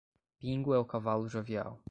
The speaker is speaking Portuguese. Pingo é o cavalo jovial